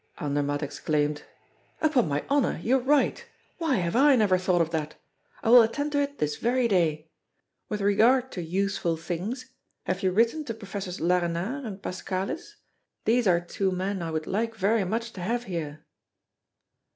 '" Andermatt exclaimed: "Upon my honor, you're right. Why have I never thought of that? I will attend to it this very day. With regard to useful things, have you written to Professors Larenard and Pascalis? There are two men I would like very much to have here."